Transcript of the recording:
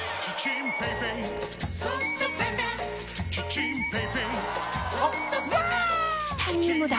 チタニウムだ！